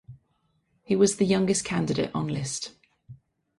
He was the youngest candidate on list.